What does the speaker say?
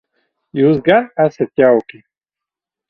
Jūs gan esat jauki.